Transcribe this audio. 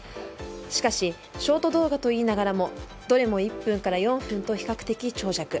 しかしショート動画といいながらもどれも１分から４分と比較的長尺。